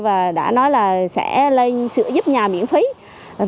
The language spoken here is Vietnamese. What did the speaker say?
và đã nói là sẽ lấy sửa giúp nhà miễn phí